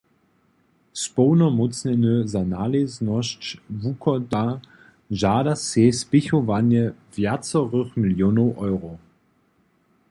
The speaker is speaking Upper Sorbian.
Społnomócnjeny za naležnosće wuchoda žada sej spěchowanje wjacorych milionow eurow.